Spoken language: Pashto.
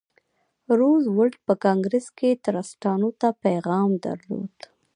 روزولټ په کانګریس کې ټرستانو ته پیغام درلود.